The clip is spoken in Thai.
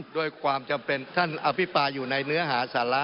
ด้วยความจำเป็นท่านอภิปรายอยู่ในเนื้อหาสาระ